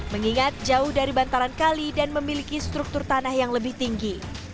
mengingat jauh dari bantaran kali dan memiliki struktur tanah yang lebih tinggi